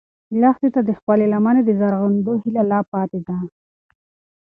لښتې ته د خپلې لمنې د زرغونېدو هیله لا پاتې ده.